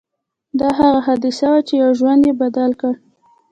دا هغه حادثه وه چې يو ژوند يې بدل کړ.